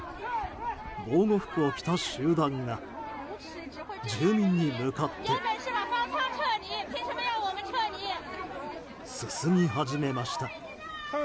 防護服を着た集団が住民に向かって進み始めました。